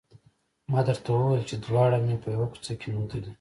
ما درته وویل چې دواړه مې په یوه کوڅه کې موندلي